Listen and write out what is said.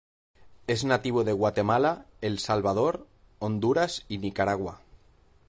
Es nativo de Guatemala, El Salvador, Honduras, y Nicaragua.